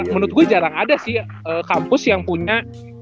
menurut gue jarang ada sih kampus yang punya